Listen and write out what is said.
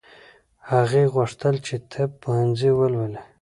هغې غوښتل چې طب پوهنځی ولولي